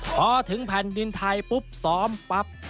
พอถึงแผ่นดินไทยปุ๊บซ้อมปั๊บ